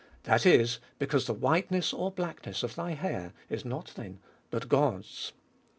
that is, because the whiteness or blackness of thy hair is not thine, but God's.